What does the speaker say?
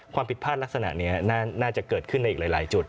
ความผิดพลาดลักษณะนี้น่าจะเกิดขึ้นในอีกหลายจุด